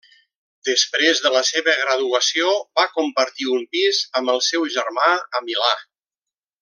Després de la seva graduació va compartir un pis amb el seu germà a Milà.